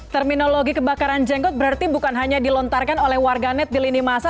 terminologi kebakaran jenggot berarti bukan hanya dilontarkan oleh warganet di lini masa